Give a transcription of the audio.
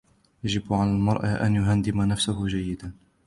يجب على المرء أن يهندم نفسه جيداً.